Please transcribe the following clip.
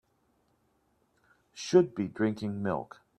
Should be drinking milk.